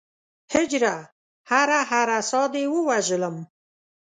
هجره! هره هره ساه دې ووژلم